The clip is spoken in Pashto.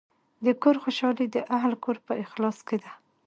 د کور خوشحالي د اهلِ کور په اخلاص کې ده.